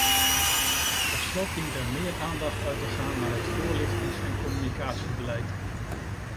Tot slot dient er meer aandacht uit te gaan naar het voorlichtings- en communicatiebeleid.